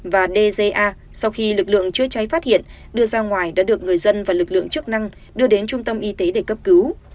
và dja sau khi lực lượng chữa cháy phát hiện đưa ra ngoài đã được người dân và lực lượng chức năng đưa đến trung tâm y tế để cấp cứu